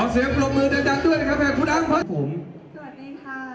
สวัสดีค่ะ